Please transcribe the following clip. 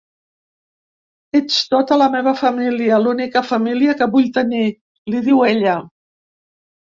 “Ets tota la meva família, l’única família que vull tenir”, li diu ella.